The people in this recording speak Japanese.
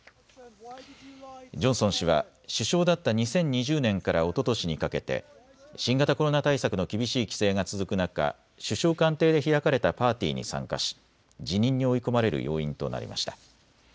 ジョンソン氏は首相だった２０２０年からおととしにかけて新型コロナ対策の厳しい規制が続く中、首相官邸で開かれたパーティーに参加し辞任に追い込まれる要因となりました。